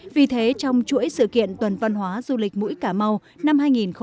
vì thế trong chuỗi sự kiện tuần văn hóa du lịch mũi cà mau năm hai nghìn một mươi chín